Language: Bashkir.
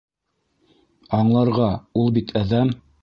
Аңларға, ул бит әҙәм.